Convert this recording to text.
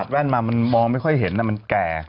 แว่นมามันมองไม่ค่อยเห็นมันแก่